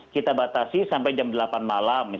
kita batasi sampai jam delapan malam